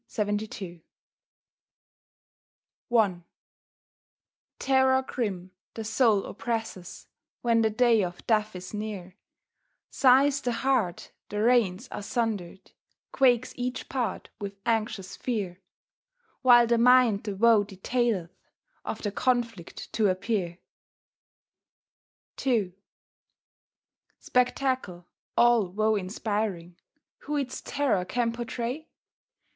I Terror grim the soul oppresses When the day of death is near; Sighs the heart, the reins are sundered, Quakes each part with anxious fear; While the mind the woe detaileth Of the conflict to appear. II Spectacle all woe inspiring Who its terror can pourtray?